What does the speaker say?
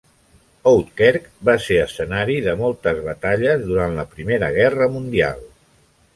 Houtkerque va ser escenari de moltes batalles durant la Primera Guerra Mundial.